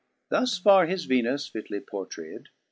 Thus farre his Venus fitly portrayed.